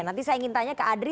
nanti saya ingin tanya ke adri